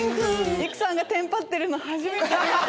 育さんがテンパってるの初めて見た。